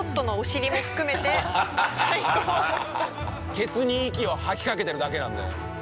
ケツに息を吐きかけてるだけなんだよ。